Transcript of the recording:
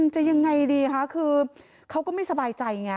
จะยังไงดีคะคือเขาก็ไม่สบายใจไง